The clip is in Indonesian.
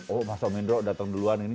oh mas om indro dateng duluan